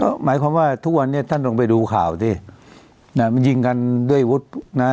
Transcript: ก็หมายความว่าทุกวันนี้ท่านลงไปดูข่าวสินะมันยิงกันด้วยวุฒินะ